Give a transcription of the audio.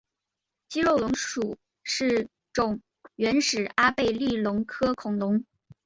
肌肉龙属是种原始阿贝力龙科恐龙。